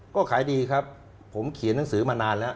ก็ขายดีครับผมเขียนหนังสือมานานแล้ว